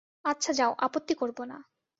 আচ্ছা, যাও, আপত্তি করব না।